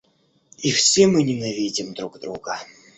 И все мы ненавидим друг друга.